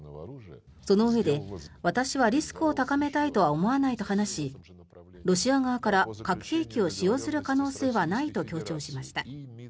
そのうえで、私はリスクを高めたいとは思わないと話しロシア側から核兵器を使用する可能性はないと強調しました。